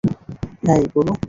হেই, গুরু!